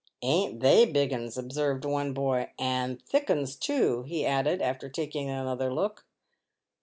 "Ain't they big 'uns," observed one boy ; "and thick 'uns, too," he added, after taking another look.